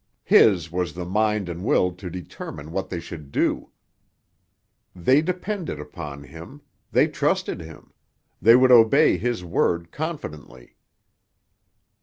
His was the mind and will to determine what they should do. They depended upon him; they trusted him; they would obey his word confidently.